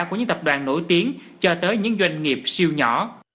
của những tập đoàn nổi tiếng cho tới những doanh nghiệp siêu nhỏ